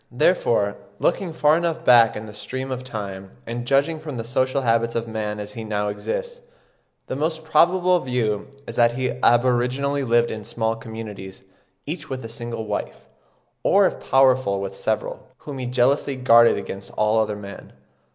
Therefore, looking far enough back in the stream of time, and judging from the social habits of man as he now exists, the most probable view is that he aboriginally lived in small communities, each with a single wife, or if powerful with several, whom he jealously guarded against all other men.